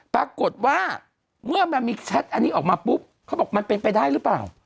ปรากฏว่าเมื่อมันมีแชทอันนี้ออกมาปุ๊บเขาบอกมันเป็นไปได้หรือเปล่า